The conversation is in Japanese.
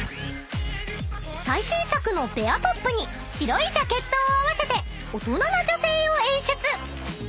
［最新作のペアトップに白いジャケットを合わせて大人な女性を演出］